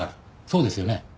そうですよね？